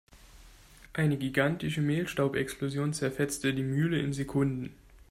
Eine gigantische Mehlstaubexplosion zerfetzte die Mühle in Sekunden.